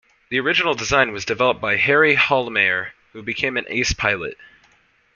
The original design was developed by Harry Hollmeyer who became an ace pilot.